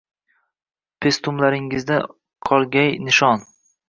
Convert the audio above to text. Pestumlaringizdan qolmagay nishon.